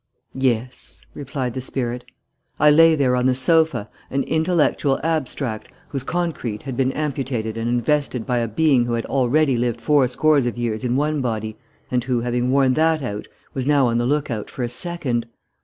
"Yes," replied the spirit. "I lay there on the sofa an intellectual abstract whose concrete had been amputated and invested by a being who had already lived four score of years in one body, and who, having worn that out, was now on the look out for a second.